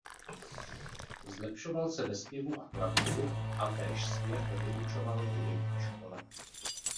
Zlepšoval se ve zpěvu a klavíru a též zpěv vyučoval v hudební škole.